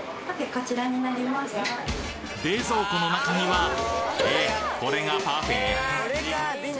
冷蔵庫の中にはえっこれがパフェ？